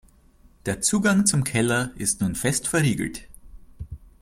Der Zugang zum Keller ist nun fest verriegelt.